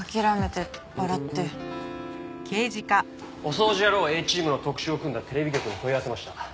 おそうじ野郎Ａチームの特集を組んだテレビ局に問い合わせました。